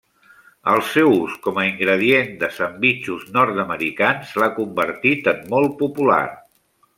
El seu ús com a ingredient de sandvitxos nord-americans l'ha convertit en molt popular.